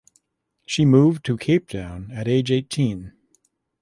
She moved to Cape Town at age eighteen.